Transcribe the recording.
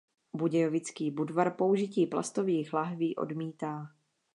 Budějovický Budvar použití plastových lahví odmítá.